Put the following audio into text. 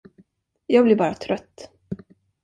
Jag blir bara trött.